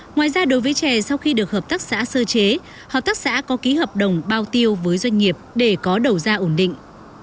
ngoài ra đối với chè sau khi được hợp tác xã sơ chế hợp tác xã có ký hợp đồng bao tiêu với doanh nghiệp để có đầu ra ổn định